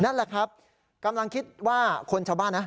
นั่นแหละครับกำลังคิดว่าคนชาวบ้านนะ